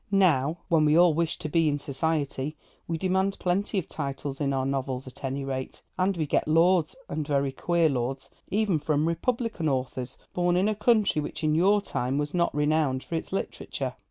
Now, when we all wish to be in society, we demand plenty of titles in our novels, at any rate, and we get lords (and very queer lords) even from Republican authors, born in a country which in your time was not renowned for its literature.